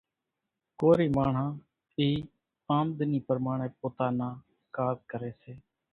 ڪورِي ماڻۿان اِي آمۮنِي پرماڻيَ پوتا نان ڪاز ڪريَ سي۔